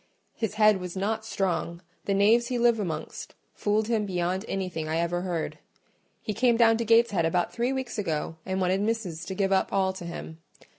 His head was not strong: the knaves he lived amongst fooled him beyond anything I ever heard. He came down to Gateshead about three weeks ago and wanted missis to give up all to him.